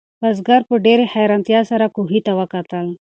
بزګر په ډېرې حیرانتیا سره کوهي ته وکتل.